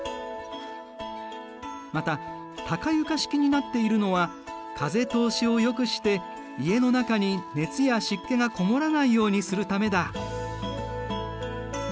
また高床式になっているのは風通しをよくして家の中に熱や湿気が籠もらないようにするためだ。